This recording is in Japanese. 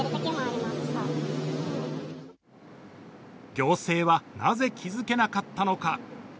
行政はなぜ気づけなかったのか。